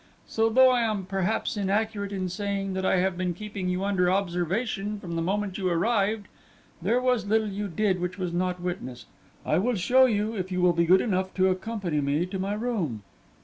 So, though I am perhaps inaccurate in saying that I have been keeping you under observation from the moment you arrived, there was little you did which was not witnessed. I will show you, if you will be good enough to accompany me to my room."